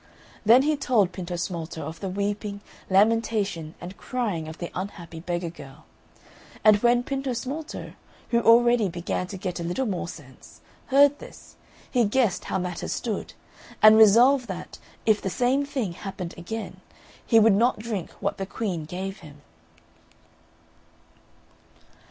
Then he told Pintosmalto of the weeping, lamentation, and crying of the unhappy beggar girl; and when Pintosmalto, who already began to get a little more sense, heard this, he guessed how matters stood, and resolved that, if the same thing happened again, he would not drink what the Queen gave him.